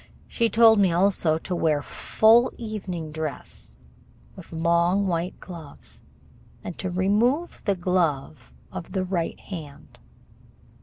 She told me also to wear full evening dress, with long white gloves, and to remove the glove of the right hand.